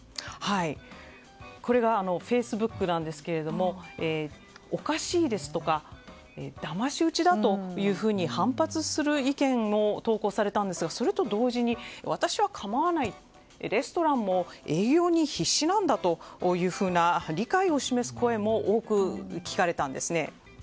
フェイスブックではおかしいですとかだまし討ちだというふうに反発する意見も投稿されたんですがそれと同時に私は構わないレストランも営業に必死なんだというふうな理解を示す声も多く聞かれたんですね。